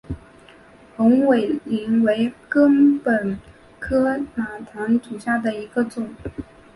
红尾翎为禾本科马唐属下的一个种。